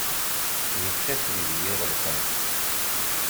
Yečča-t uydi iɣelten.